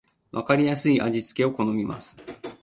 わかりやすい味付けを好みます